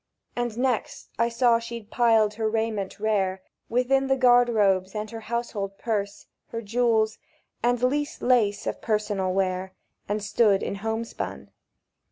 And next I saw she'd piled her raiment rare Within the garde robes, and her household purse, Her jewels, and least lace of personal wear; And stood in homespun.